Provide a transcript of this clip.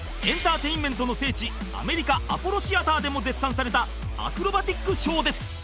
エンターテインメントの聖地アメリカアポロシアターでも絶賛されたアクロバティックショーです